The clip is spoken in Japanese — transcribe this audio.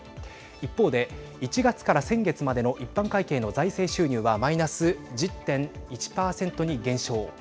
一方で１月から先月までの一般会計の財政収入はマイナス１０．１％に減少。